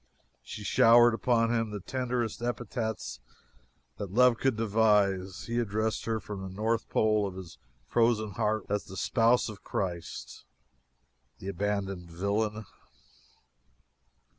She showered upon him the tenderest epithets that love could devise, he addressed her from the North Pole of his frozen heart as the "Spouse of Christ!" The abandoned villain!